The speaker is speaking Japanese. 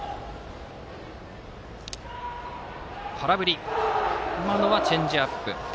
空振りしたのはチェンジアップ。